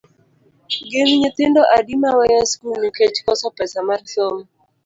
Gin nyithindo adi ma weyo skul nikech koso pesa mar somo?